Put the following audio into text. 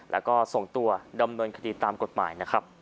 และส่งตัวดำเนินคดีตามกฎหมาย